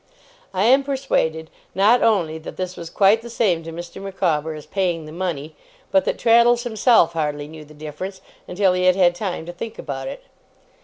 I am persuaded, not only that this was quite the same to Mr. Micawber as paying the money, but that Traddles himself hardly knew the difference until he had had time to think about it.